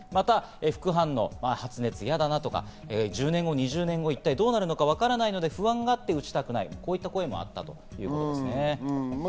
そして副反応、発熱やだなとか、１０年後、２０年後がわからないので不安があって打ちたくないという声もあったということです。